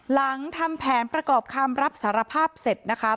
หลังทำแผนประกอบคำรับสารภาพเสร็จนะคะ